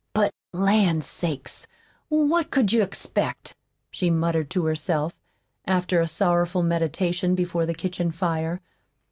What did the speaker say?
"But, land's sake, what could you expect?" she muttered to herself, after a sorrowful meditation before the kitchen fire.